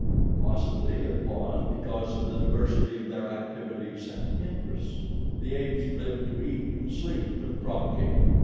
Possibly it was because of the diversity of their activities and interests. The apes lived to eat and sleep and propagate.